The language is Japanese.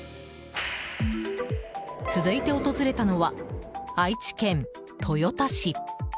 続いて訪れたのは、愛知県豊田市。